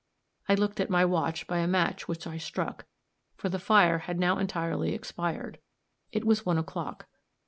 I looked at my watch by a match which I struck, for the fire had now entirely expired. It was one o'clock.